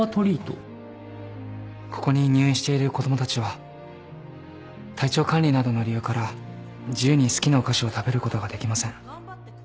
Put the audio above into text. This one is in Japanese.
ここに入院している子供たちは体調管理などの理由から自由に好きなお菓子を食べることができません。